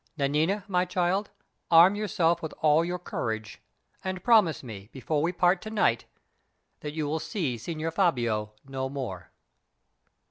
Nanina, my child, arm yourself with all your courage, and promise me, before we part to night, that you will see Signor Fabio no more."